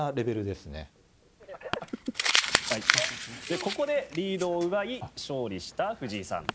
ここでリードを奪い勝利した藤井さん。